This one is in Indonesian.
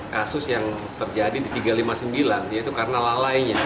kasus yang terjadi di tiga ratus lima puluh sembilan yaitu karena lalainya